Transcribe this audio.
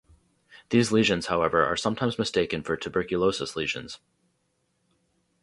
These lesions, however, are sometimes mistaken for tuberculosis lesions.